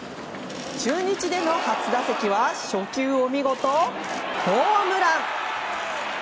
中日での初打席は初球を見事ホームラン！